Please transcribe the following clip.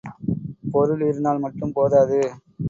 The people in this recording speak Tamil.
பொருள் இருந்தால் மட்டும் போதாது.